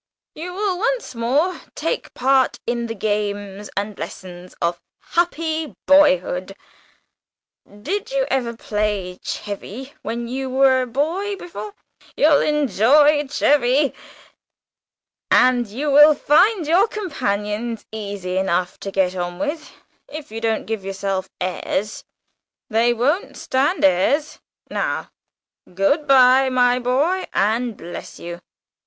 You will once more take part in the games and lessons of happy boyhood. (Did you ever play 'chevy' when you were a boy before? You'll enjoy chevy.) And you will find your companions easy enough to get on with, if you don't go giving yourself airs; they won't stand airs. Now good bye, my boy, and bless you!"